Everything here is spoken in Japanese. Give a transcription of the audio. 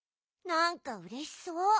なんかうれしそう。